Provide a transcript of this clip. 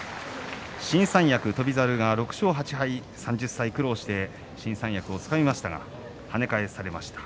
新三役で翔猿、６勝８敗３０歳苦労して新三役をつかみましたが跳ね返されました。